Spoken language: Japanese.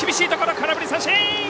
空振り三振！